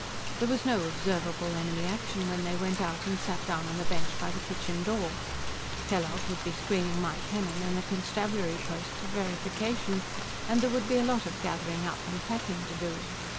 There was no observable enemy action when they went out and sat down on the bench by the kitchen door. Kellogg would be screening Mike Hennen and the constabulary post for verification, and there would be a lot of gathering up and packing to do.